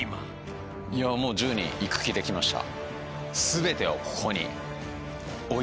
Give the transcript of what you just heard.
もう１０人いく気で来ました。